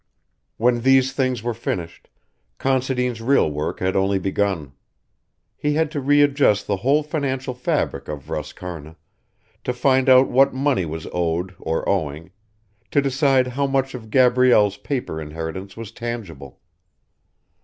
When these things were finished, Considine's real work had only begun. He had to readjust the whole financial fabric of Roscarna, to find out what money was owed or owing, to decide how much of Gabrielle's paper inheritance was tangible.